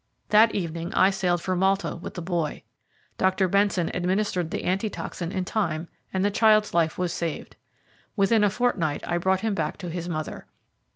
That evening I sailed for Malta with the boy. Dr. Benson administered the antitoxin in time, and the child's life was saved. Within a fortnight I brought him back to his mother.